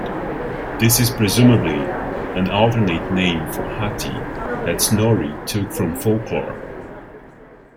This is presumably an alternate name for Hati that Snorri took from folklore.